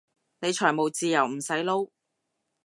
你財務自由唔使撈？